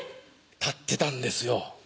たってたんですよ